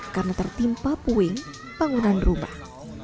karena tertimpa puing bangunan rumah